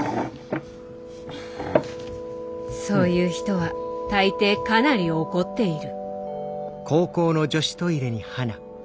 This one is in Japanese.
そう言う人は大抵かなり怒っている。